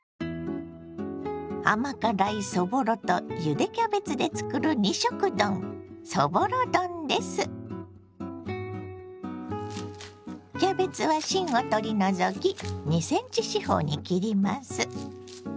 甘辛いそぼろとゆでキャベツで作る２色丼キャベツは芯を取り除き２ｃｍ四方に切ります。